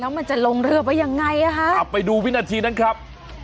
มันจะลงเรือไปยังไงอ่ะฮะเอาไปดูวินาทีนั้นครับ